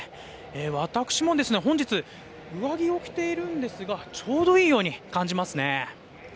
私も本日上着を着ているんですがちょうどいいように感じますね。